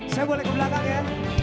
saya boleh ke belakang ya